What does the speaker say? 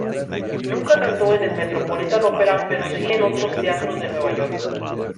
Nunca cantó en el Metropolitan Opera pero si en otros teatros de Nueva York.